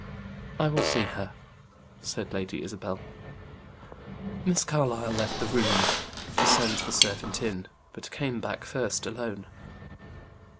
"I will see her," said Lady Isabel. Miss Carlyle left the room to send the servant in, but came back first alone.